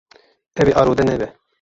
Ew ê arode nebe.